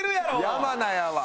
山名やわ。